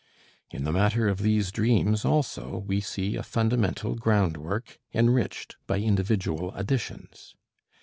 In the matter of these dreams also, we see a fundamental groundwork enriched by individual additions.